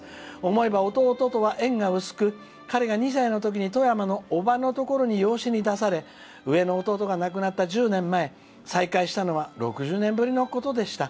思えば、弟とは縁が薄く彼が２歳のときに富山のおばのところに養子に出され上の弟が亡くなった１０年前再会したのは６０年ぶりのことでした。